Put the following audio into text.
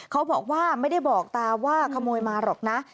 เขาบอกว่าไม่ได้บอกตาว่าขโมยมาหรอกนะ